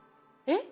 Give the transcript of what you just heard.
えっ？